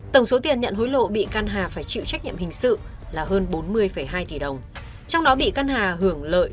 tổng số tiền nhận hối lộ bị can hà phải chịu trách nhiệm hình sự là hơn bốn mươi hai tỷ đồng trong đó bị căn hà hưởng lợi